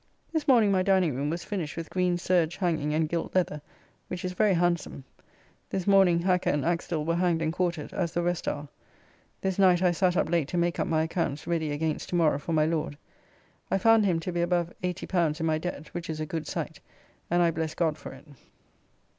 This morning my dining room was finished with green serge hanging and gilt leather, which is very handsome. This morning Hacker and Axtell were hanged and quartered, as the rest are. This night I sat up late to make up my accounts ready against to morrow for my Lord. I found him to be above L80 in my debt, which is a good sight, and I bless God for it.